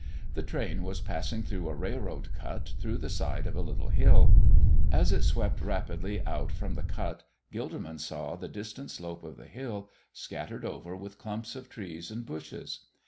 The train was passing through a railroad cut through the side of a little hill. As it swept rapidly out from the cut Gilderman saw the distant slope of the hill, scattered over with clumps of trees and bushes.